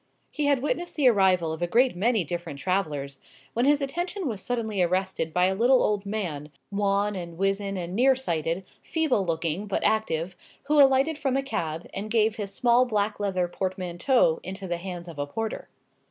He had witnessed the arrival of a great many different travellers, when his attention was suddenly arrested by a little old man, wan and wizen and near sighted, feeble looking, but active, who alighted from a cab, and gave his small black leather portmanteau into the hands of a porter.